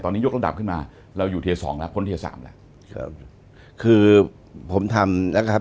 ตอนนี้ยกระดับขึ้นมาเราอยู่เทสองแล้วพ้นเทสามแล้วครับคือผมทำนะครับ